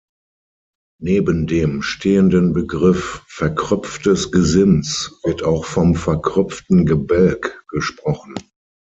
Neben dem stehenden Begriff „verkröpftes Gesims“ wird auch vom „verkröpften Gebälk“ gesprochen.